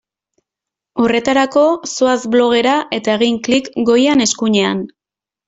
Horretarako zoaz blogera eta egin klik goian eskuinean.